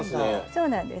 そうなんです。